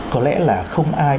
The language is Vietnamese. có lẽ là không ai